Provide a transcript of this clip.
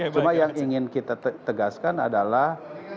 cuma yang ingin kita tegaskan adalah